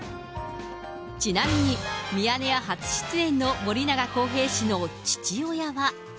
ちなみにミヤネ屋初出演の森永康平氏の父親は。